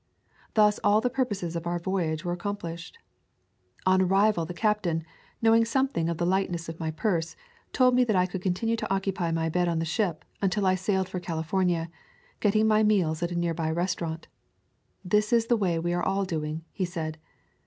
Thus all the pur poses of our voyage were accomplished. On our arrival the captain, knowing some thing of the lightness of my purse, told me that I could continue to occupy my bed on the ship until I sailed for California, getting my meals at a near by restaurant. "This is the way we are all doing," he said.